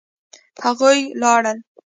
هغوی لاړل.